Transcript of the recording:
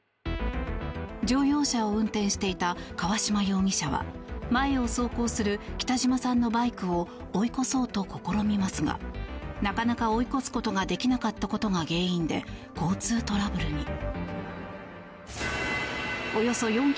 乗用車を運転していた川島容疑者は前を走行する北島さんのバイクを追い越そうと試みますがなかなか追い越すことができなかったことが原因で交通トラブルに。